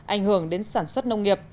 ảnh hưởng đến sản xuất nông nghiệp